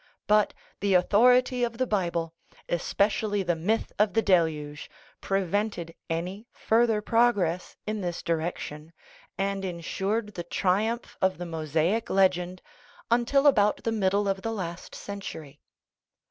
But the author ity of the Bible, especially the myth of the deluge, pre vented any further progress in this direction, and in sured the triumph of the Mosaic legend until about the middle of the last century.